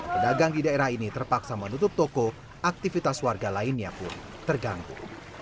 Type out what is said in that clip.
pedagang di daerah ini terpaksa menutup toko aktivitas warga lainnya pun terganggu